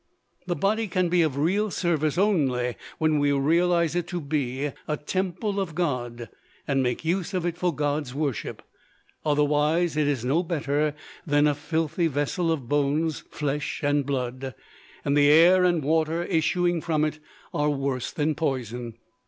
The body can be of real service only when we realise it to be a temple of God and make use of it for God's worship; otherwise it is no better than a filthy vessel of bones, flesh and blood, and the air and water issuing from it are worse than poison.